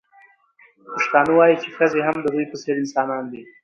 پښتانه وايي چې ښځې هم د دوی په څېر انسانان دي.